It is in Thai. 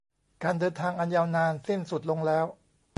การเดินทางอันยาวนานสิ้นสุดลงแล้ว